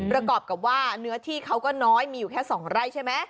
ประกอบกับว่าเนื้อที่เขาก็น้อยมีอยู่แค่๒ไร่ใช่ไหม